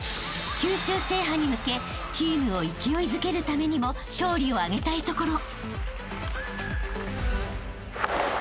［九州制覇に向けチームを勢いづけるためにも勝利を挙げたいところ］